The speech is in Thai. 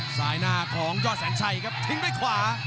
สายหน้าของยอดแสนชัยทิ้งไปขวา